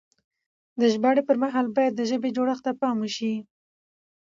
د ژباړې پر مهال بايد د ژبې جوړښت ته پام وشي.